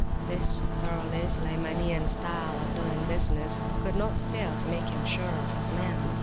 This thoroughly Sulaymanian style of doing business could not fail to make him sure of his man.